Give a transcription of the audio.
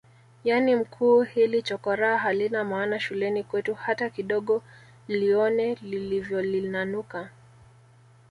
Yani mkuu hili chokoraa halina maana shuleni kwetu hata kidogo lione lilivyolinanuka